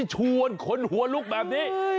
ชวนคนหัวลุกแบบนี้